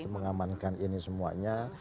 untuk mengamankan ini semuanya